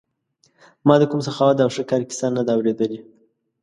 ما د کوم سخاوت او ښه کار کیسه نه ده اورېدلې.